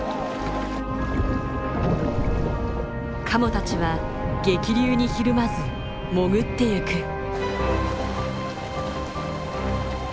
カモたちは激流にひるまず潜っていく。